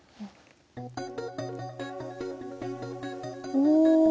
お！